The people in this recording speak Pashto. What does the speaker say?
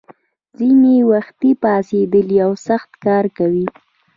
ځینې یې وختي پاڅېدلي او سخت کار کوي.